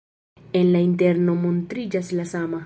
En la interno montriĝas la sama.